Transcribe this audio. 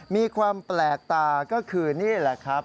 มีความแปลกตาก็คือนี่แหละครับ